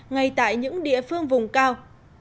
ngay tại những địa phương vùng cao